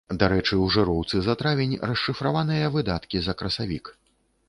Дарэчы, ў жыроўцы за травень расшыфраваныя выдаткі за красавік.